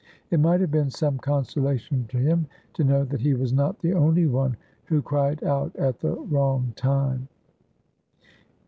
It might have been some consolation to him to know that he was not the only one who cried out at the wrong time!